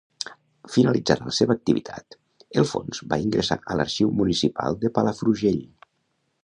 Finalitzada la seva activitat el fons va ingressar a l’Arxiu Municipal de Palafrugell.